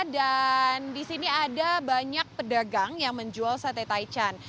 di sini ada banyak pedagang yang menjual sate taichan